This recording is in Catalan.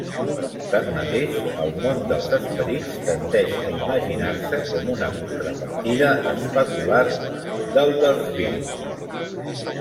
Tanmateix, el món dels esperits tendeix a imaginar-se com una contrapartida especular del dels vius.